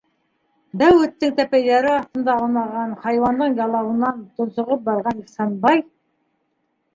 Дәү эттең тәпәйҙәре аҫтында аунаған, хайуандың ялауынан тонсоғоп барған Ихсанбай: